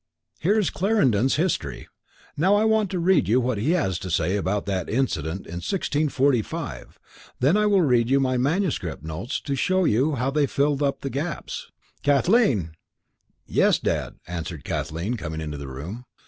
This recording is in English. "Here is Clarendon's History. Now I want to read you what he has to say about that incident in 1645, then I will read you my manuscript notes, to show you how they fill up the gaps. Kathleen!" "Yes, Dad," answered Kathleen, coming into the room.